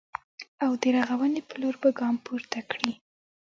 او د رغونې په لور به ګام پورته کړي